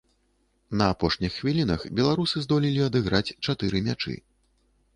На апошніх хвілінах беларусы здолелі адыграць чатыры мячы.